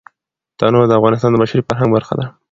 تنوع د افغانستان د بشري فرهنګ برخه ده.